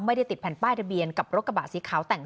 ไม่ได้ติดแผ่นป้ายทะเบียนกับล็อกกระบะสีขาวแต่ง